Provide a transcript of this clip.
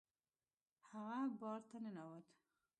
هغه بار ته ننوت.